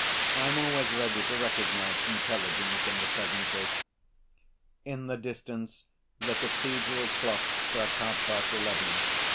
I am always ready to recognize intelligence in the peasantry." In the distance the cathedral clock struck half‐past eleven.